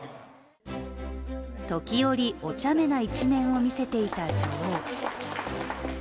時折、おちゃめな一面を見せていた女王。